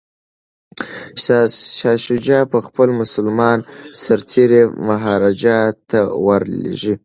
شاه شجاع به خپل مسلمان سرتیري مهاراجا ته ور لیږي.